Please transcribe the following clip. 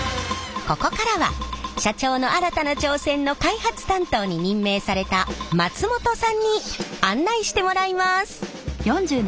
ここからは社長の新たな挑戦の開発担当に任命された松本さんに案内してもらいます。